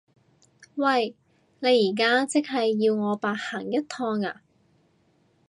喂！你而家即係要我白行一趟呀？